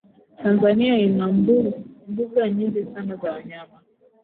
tanzania ina mbuga nyingi sana za wanyama